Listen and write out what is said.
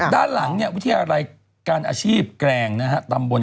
ทั้งกลางการการอาชีพเนี่ย